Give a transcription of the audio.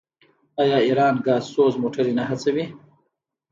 آیا ایران ګازسوز موټرې نه هڅوي؟